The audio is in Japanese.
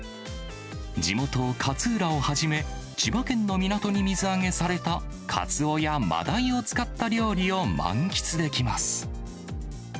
地元、勝浦をはじめ、千葉県の港に水揚げされたカツオやマダイを使った料理を満喫できます。